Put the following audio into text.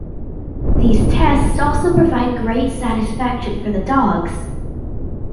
These tests also provide great satisfaction for the dogs.